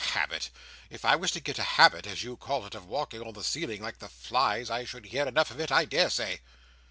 Habit! If I was to get a habit (as you call it) of walking on the ceiling, like the flies, I should hear enough of it, I daresay."